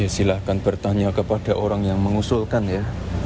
silahkan bertanya kepada orang yang mengusulkan ya